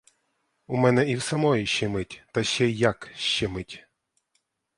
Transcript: У мене і в самої щемить, та ще як щемить!